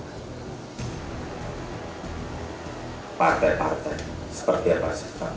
hai pakai pake seperti apa